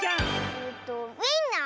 えっとウインナー？